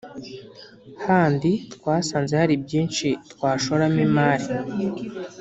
handi twasanze hari byinshi twashoramo imari”